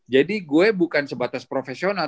jadi gue bukan sebatas profesional